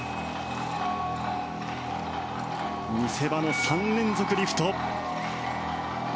見せ場の３連続リフト。